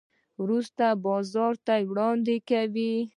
وروسته یې بازار ته وړاندې کوي.